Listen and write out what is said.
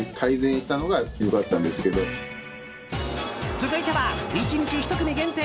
続いては、１日１組限定！